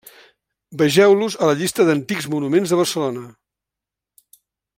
Vegeu-los a la llista d'antics monuments de Barcelona.